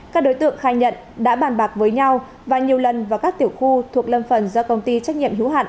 các đối tượng khai nhận đã bàn bạc với nhau và nhiều lần vào các tiểu khu thuộc lâm phần do công ty trách nhiệm hiếu hạn